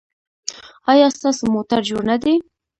ایا ستاسو موټر جوړ نه دی؟